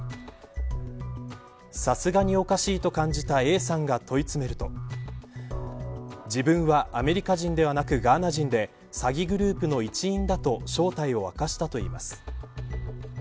さすがに、おかしいと感じたＡさんが問い詰めると自分はアメリカ人ではなくガーナ人で詐欺グループの一員だと正体を明かしたといいます。